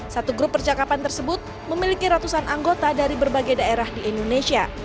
satu grup percakapan tersebut memiliki ratusan anggota dari berbagai daerah di indonesia